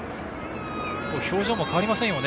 表情も変わりませんよね